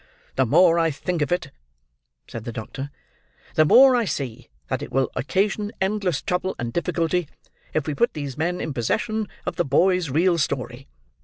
"The more I think of it," said the doctor, "the more I see that it will occasion endless trouble and difficulty if we put these men in possession of the boy's real story.